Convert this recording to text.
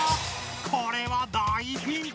これは大ピンチ！